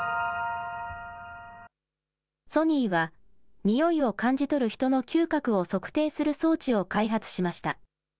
ソニーは、においを感じ取る人の嗅覚を測定する装置を開発しました。